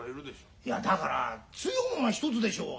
いやだから通用門は一つでしょうが。